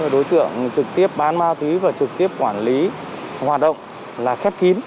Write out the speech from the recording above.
đối tượng trực tiếp bán ma túy và trực tiếp quản lý hoạt động là khép kín